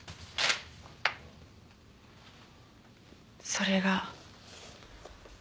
それが。